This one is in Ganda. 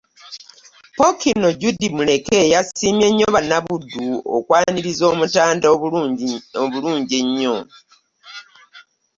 Pookino Jude Muleke yasiimye nnyo Bannabuddu olw'okwaniriza omutanda obulungi ennyo.